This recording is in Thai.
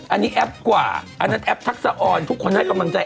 อันนี้แอปกว่าอันนั้นแอปทักษะออนทุกคนให้กำลังใจ